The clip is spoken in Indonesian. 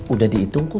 udah dihitung kum